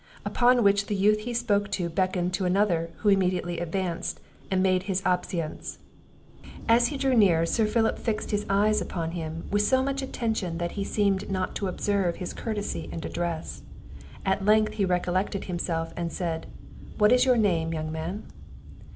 Upon which the youth he spoke to beckoned to another, who immediately advanced, and made his obeisance; As he drew near, Sir Philip fixed his eyes upon him, with so much attention, that he seemed not to observe his courtesy and address. At length he recollected himself, and said, "What is your name, young man?"